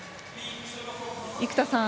生田さん